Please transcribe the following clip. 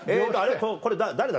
これ誰だ？